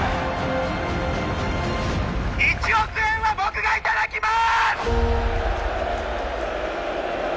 １億円は僕が頂きます！